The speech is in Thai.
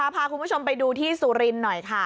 พาคุณผู้ชมไปดูที่สุรินทร์หน่อยค่ะ